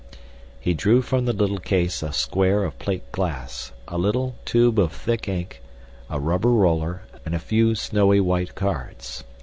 He drew from the little case a square of plate glass, a little tube of thick ink, a rubber roller, and a few snowy white cards.